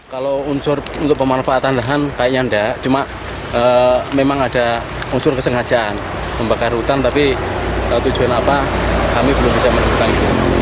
kalau unsur untuk pemanfaatan lahan kayaknya enggak cuma memang ada unsur kesengajaan membakar hutan tapi tujuan apa kami belum bisa menemukan itu